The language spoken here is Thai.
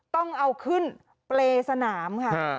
ต้องเอาขึ้นเปรย์สนามค่ะ